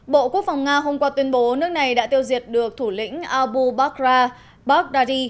bộ quốc phòng nga hôm qua tuyên bố nước này đã tiêu diệt được thủ lĩnh abu bakr al baghdadi